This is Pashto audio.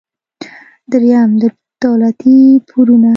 دریم: دولتي پورونه.